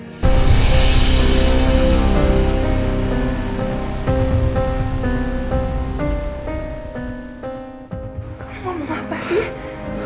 kamu mau apa sih